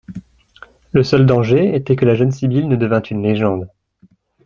Le seul danger était que la jeune sibylle ne devînt une légende.